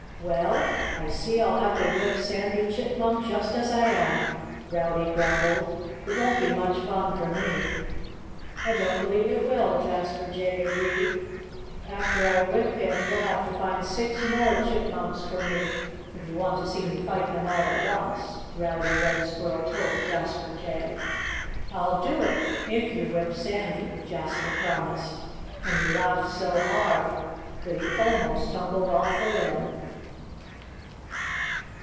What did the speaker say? "Well, I see I'll have to whip Sandy Chipmunk just as I am," Rowdy grumbled. "It won't be much fun for me." "I don't believe it will," Jasper Jay agreed. "After I whip him, you'll have to find six more chipmunks for me, if you want to see me fight them all at once," Rowdy Red Squirrel told Jasper Jay. "I'll do it if you whip Sandy," Jasper promised. And he laughed so hard that he almost tumbled off the limb.